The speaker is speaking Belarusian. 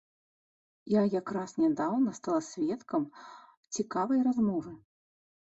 Я як раз нядаўна стала сведкам цікавай размовы.